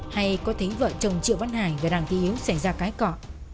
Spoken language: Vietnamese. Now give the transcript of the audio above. hay có thấy vợ chồng triệu văn hải và đảng thị hiếu xảy ra cái cọ